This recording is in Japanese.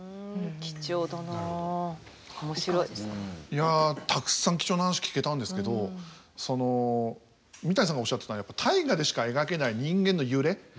いやたくさん貴重な話聞けたんですけどその三谷さんがおっしゃってたやっぱ「大河」でしか描けない人間の揺れ。